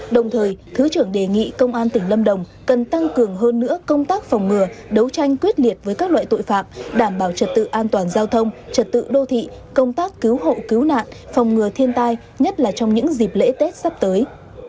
đồng thời thứ trưởng đề nghị công an tỉnh lâm đồng cần tăng cường hơn nữa công tác phòng ngừa đấu tranh quyết liệt với các loại tội phạm đảm bảo trật tự an toàn giao thông trật tự đô thị công tác cứu hộ cứu nạn phòng ngừa thiên tai nhất là trong những dịp lễ tết sắp tới